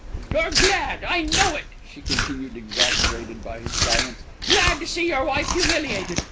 "You're glad, I know it," she continued, exasperated by his silence. "Glad to see your wife humiliated.